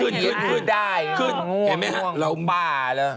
นี่ไงมาเต็มเลยเห็นไหมขึ้นง่วงบ้าเหรอ